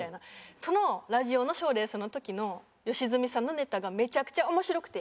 そのラジオの賞レースの時の吉住さんのネタがめちゃくちゃ面白くて。